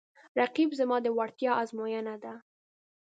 رقیب زما د وړتیا ازموینه ده